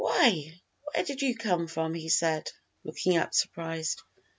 "Why, where did you come from?" he said, looking up surprised.